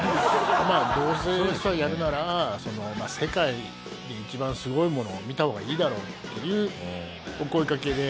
まあどうせやるなら世界で一番すごいものを見た方がいいだろうっていうお声かけで。